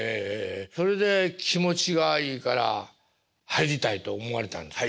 それで気持ちがいいから入りたいと思われたんですか。